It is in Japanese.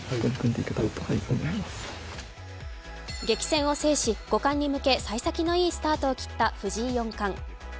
激戦を制し、幸先のいいスタートを切った藤井四冠。